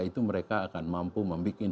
itu mereka akan mampu membuat